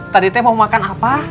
tadi teh mau makan apa